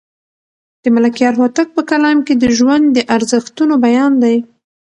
د ملکیار هوتک په کلام کې د ژوند د ارزښتونو بیان دی.